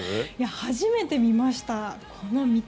初めて見ました。